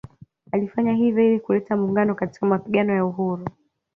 Alifanya hivyo ili kuleta muungano katika mapigano ya uhuru